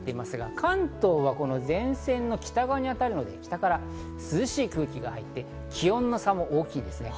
関東はこの前線の北側に当たるので、北から涼しい空気が入って気温の差も大きいですね。